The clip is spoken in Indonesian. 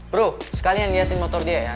bro sekalian lihatin motor dia ya